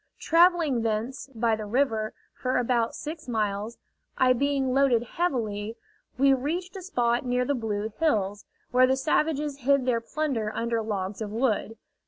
Travelling thence, by the river, for about six miles, I being loaded heavily, we reached a spot near the Blue Hills, where the savages hid their plunder under logs of wood.